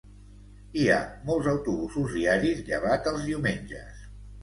Hi ha molts autobusos diaris llevat els diumenges.